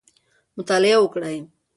مطالعه وکړئ.